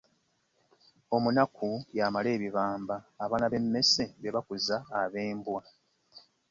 Omunaku y'amala ebibamba , abaana b'emesse be bakuza ab'embwa .